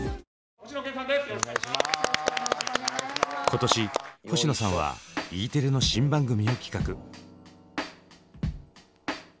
今年星野さんはＥテレの新番組を企画。